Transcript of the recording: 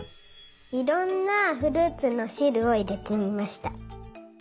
いろんなフルーツのしるをいれてみました。